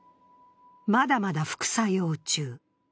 「まだまだ副作用中」